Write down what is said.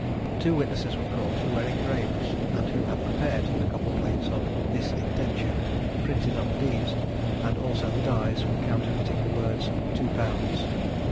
Two witnesses were called, who were engravers, and who had prepared the copper plates of "This Indenture," printed on the deeds, and also the dies for counterfeiting the words "II Pounds."